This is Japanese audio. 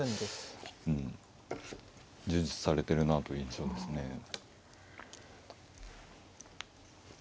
充実されてるなあという印象ですね。